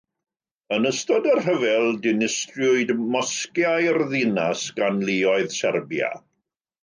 Yn ystod y rhyfel, dinistriwyd mosgiau'r ddinas gan luoedd Serbia.